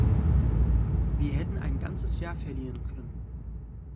Wir hätten ein ganzes Jahr verlieren können!